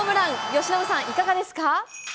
由伸さん、いかがですか？